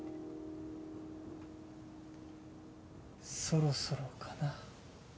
そろそろかな。